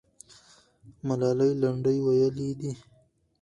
ملالۍ لنډۍ ویلې دي.